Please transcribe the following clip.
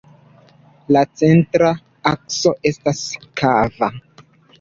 La centra akso estas kava.